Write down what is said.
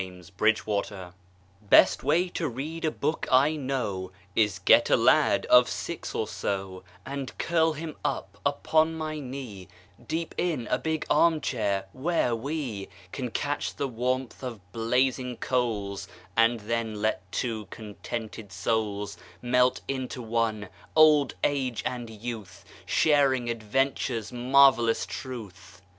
Best Way to Read a Book Best way to read a book I know Is get a lad of six or so, And curl him up upon my knee Deep in a big arm chair, where we Can catch the warmth of blazing coals, And then let two contented souls Melt into one, old age and youth, Sharing adventure's marvelous truth.